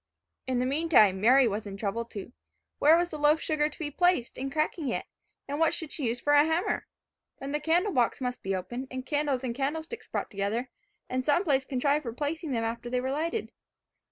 In the meantime, Mary was in trouble too. Where was the loaf sugar to be placed in cracking it, and what should she use for a hammer? Then the candle box must be opened, and candles and candle sticks brought together, and some place contrived for placing them after they were lighted.